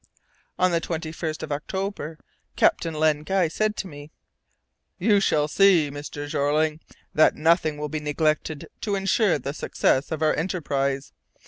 On the 21st of October, Captain Len Guy said to me: "You shall see, Mr. Jeorling, that nothing will be neglected to ensure the success of our enterprise.